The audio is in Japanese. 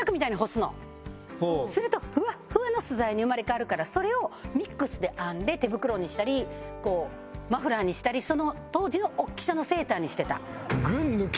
するとフワッフワの素材に生まれ変わるからそれをミックスで編んで手袋にしたりこうマフラーにしたりその当時の大きさのセーターにしてた。